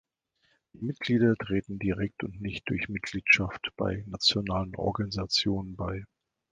Die Mitglieder treten direkt und nicht durch Mitgliedschaft bei nationalen Organisationen bei.